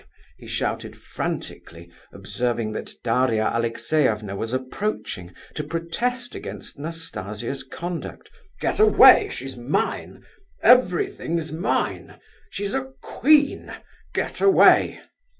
he shouted frantically, observing that Daria Alexeyevna was approaching to protest against Nastasia's conduct. "Get away, she's mine, everything's mine! She's a queen, get away!"